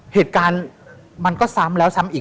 เหตุการณ์มันก็ซ้ำแล้วซ้ำอีก